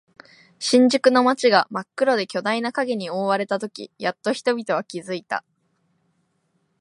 新宿の街が真っ黒で巨大な影に覆われたとき、やっと人々は気づいた。